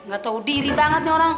gak tahu diri banget nih orang